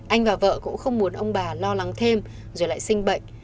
anh và vợ cũng không muốn ông bà lo lắng thêm rồi lại sinh bệnh